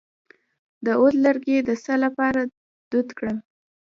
د عود لرګی د څه لپاره دود کړم؟